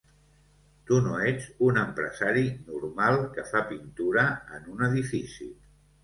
Tu no ets un empresari normal que fa pintura en un edifici.